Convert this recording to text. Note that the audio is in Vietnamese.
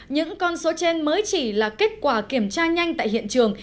những con số trên mới chỉ là kết quả kiểm tra nhanh tại hiện trường